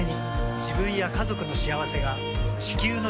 自分や家族の幸せが地球の幸せにつながっている。